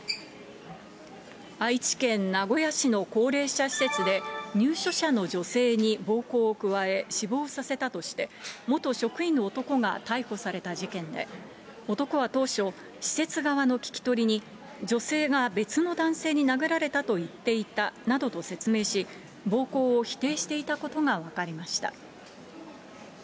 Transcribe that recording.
愛知県名古屋市の高齢者施設で、入所者の女性に暴行を加え、死亡させたとして、元職員の男が逮捕された事件で、男は当初、施設側の聞き取りに、女性が別の男性に殴られてと言っていたなどと説明し、暴行を否定していたことが分かりました。